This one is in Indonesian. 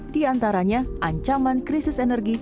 di antaranya ancaman krisis energi